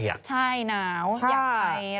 ใช่หนาวอยากไป